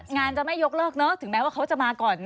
งานจะไม่ยกเลิกเนอะถึงแม้ว่าเขาจะมาก่อน